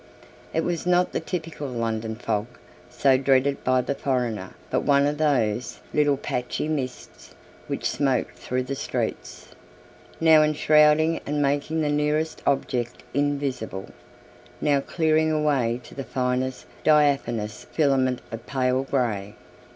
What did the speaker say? It was not the typical London fog so dreaded by the foreigner, but one of those little patchy mists which smoke through the streets, now enshrouding and making the nearest object invisible, now clearing away to the finest diaphanous filament of pale grey.